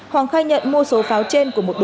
hoàng khai nhận mua số pháo trên của một người